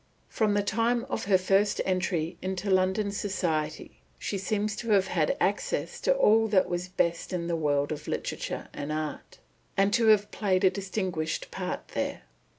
From the time of her first entry into London society she seems to have had access to all that was best in the world of literature and art, and to have played a distinguished part there.